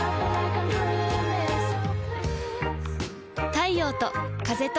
太陽と風と